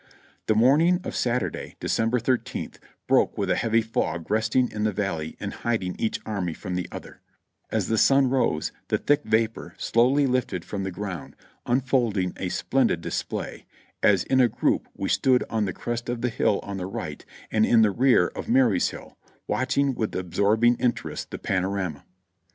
The morning of Saturday, December thirteenth, broke w^ith a heavy fog resting in the valley and hiding each army from the other; as the sun rose, the thick vapor slowly Hfted from the ground, unfolding a splendid display, as in a group we stood on the crest of the hill on the right and in the rear of Marye's Hill, watching with absorbing interest the panorama.